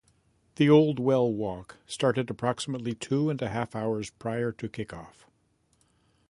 The Old Well walk started approximately two and a half hours prior to kickoff.